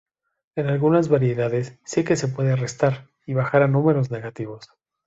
En algunas variedades, sí que se puede restar y bajar a números negativos.